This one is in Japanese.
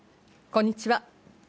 こんにちは。